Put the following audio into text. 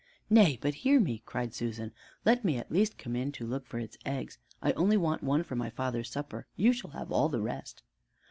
"Nay, but hear me," cried Susan, "let me at least come in to look for its eggs. I only want one for my father's supper. You shall have all the rest."